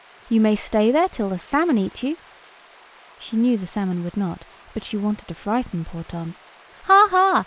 You may stay there till the salmon eat you (she knew the salmon would not, but she wanted to frighten poor Tom). Ha! ha!